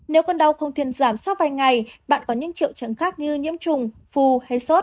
nếu con đau không thiên giảm sau vài ngày bạn có những triệu chứng khác như nhiễm trùng phù hay sốt